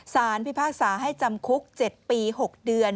พิพากษาให้จำคุก๗ปี๖เดือน